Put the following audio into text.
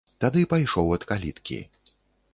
Тады пайшоў ад каліткі.